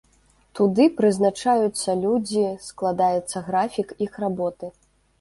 Туды прызначаюцца людзі, складаецца графік іх работы.